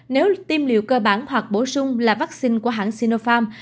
nếu tiêm liều cơ bản hoặc bổ sung là vắc xin của hãng sinopharm